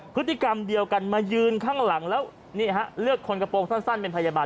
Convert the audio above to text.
พฤติกรรมเดียวกันมายืนข้างหลังแล้วนี่ฮะเลือกคนกระโปรงสั้นเป็นพยาบาล